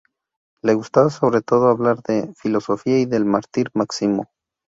Le gustaba sobre todo hablar de filosofía y del mártir Máximo.